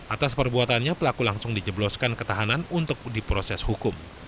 atas perbuatannya pelaku langsung dijebloskan ketahanan untuk diproses hukum